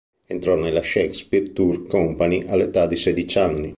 Entrò nella Shakespeare Touring Company all'età di sedici anni.